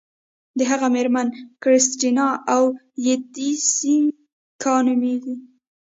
د هغه میرمن کریستینا اویتیسیکا نومیږي.